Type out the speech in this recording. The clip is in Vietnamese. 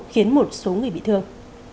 khiến một số người bị thương